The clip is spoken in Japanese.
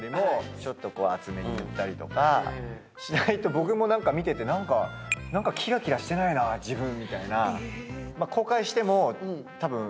僕も見てて、なんかキラキラしてないな自分みたいな。